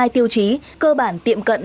tiêu chí cơ bản tiệm cận